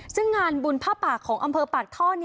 ซึ่งงานบุญผ้าปากของอำเภอปากท่อ